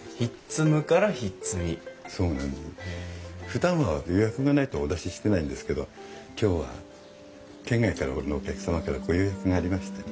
ふだんは予約がないとお出ししてないんですけど今日は県外からのお客様からご予約がありまして。